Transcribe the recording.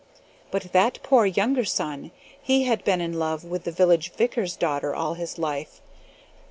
"But that poor younger son, he had been in love with the village vicar's daughter all his life.